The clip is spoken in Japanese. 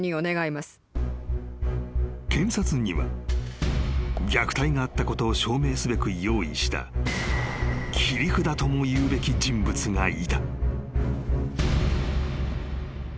［検察には虐待があったことを証明すべく用意した切り札ともいうべき人物がいた］